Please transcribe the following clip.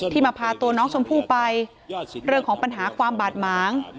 มาพาตัวน้องชมพู่ไปเรื่องของปัญหาความบาดหมาง